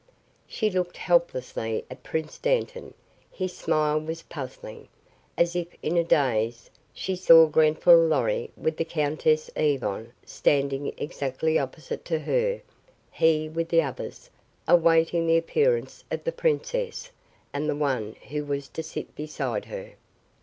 She looked helplessly at Prince Dantan. His smile was puzzling. As if in a daze, she saw Grenfall Lorry with the Countess Yvonne standing exactly opposite to her, he with the others, awaiting the appearance of the princess and the one who was to sit beside her.